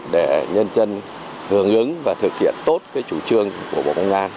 để thực hiện tốt chủ trường của bộ công an